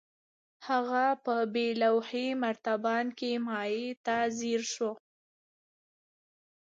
هغه په بې لوحې مرتبان کې مايع ته ځير شو.